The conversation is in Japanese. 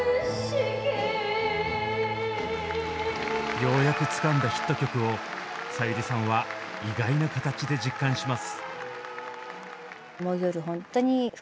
ようやくつかんだヒット曲をさゆりさんは意外な形で実感します。